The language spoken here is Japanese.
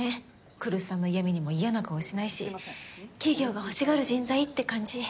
来栖さんの嫌みにも嫌な顔しないし企業が欲しがる人材って感じ。